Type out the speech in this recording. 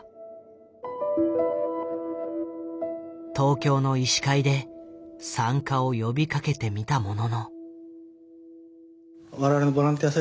東京の医師会で参加を呼びかけてみたものの。